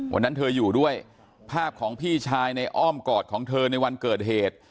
วันนั้นเธออยู่ด้วยภาพของพี่ชายในอ้อมกอดของเธอในวันเกิดเหตุ